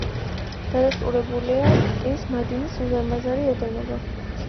დადასტურებულია რკინის მადნის უზარმაზარი ოდენობა.